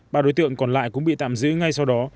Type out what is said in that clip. ba đối tượng còn lại cũng bị tạm giữ ngay sau đó